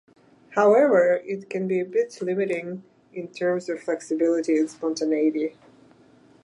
However, it can be a bit limiting in terms of flexibility and spontaneity.